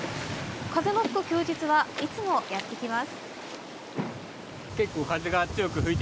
風の吹く休日はいつもやってきます。